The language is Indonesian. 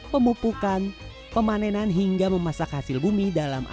pemupukan pemanenan hingga memasak hasil bumi dalam air